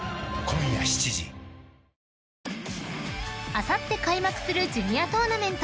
［あさって開幕するジュニアトーナメント］